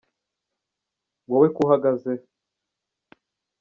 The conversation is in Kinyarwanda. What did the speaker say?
wowe kuhagaze